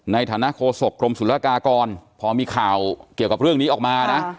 ในฐานะโฆษกรมศุลกากรพอมีข่าวเกี่ยวกับเรื่องนี้ออกมานะ